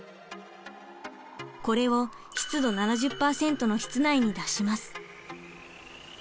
これを湿度７０％の室内に出します。